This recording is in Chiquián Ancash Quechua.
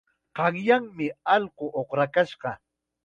Qanyanmi allqu uqrakashqa.